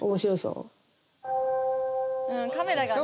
うんカメラがね